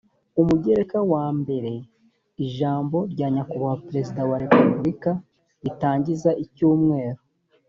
umugereka wa mbere ijambo rya nyakubahwa perezida wa repubulika ritangiza icyumweru